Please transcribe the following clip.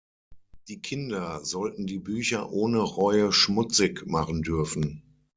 Die Kinder sollten die Bücher ohne Reue schmutzig machen dürfen.